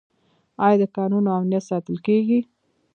آیا د کانونو امنیت ساتل کیږي؟